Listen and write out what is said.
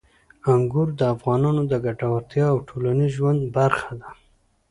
انګور د افغانانو د ګټورتیا او ټولنیز ژوند برخه ده.